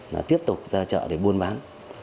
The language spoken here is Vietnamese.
là tiếp tục ra chợ để buôn bán